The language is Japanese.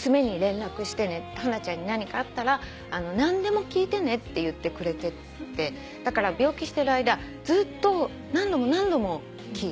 ハナちゃんに何かあったら何でも聞いてね」って言ってくれててだから病気してる間ずーっと何度も何度も聞いて。